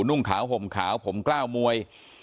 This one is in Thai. นุ่งขาวห่มขาวผมกล้าวมวย